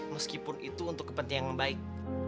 meskipun itu untuk kepentingan yang baik